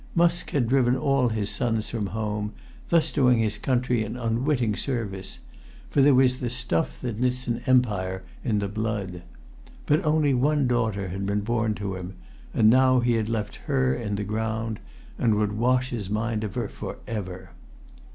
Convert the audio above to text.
Musk had driven all his sons from home, thus doing his country an unwitting service, for there was the stuff that knits an empire in the blood. But only one daughter had been born to him, and now he had left her in the ground, and would wash his mind of her for ever.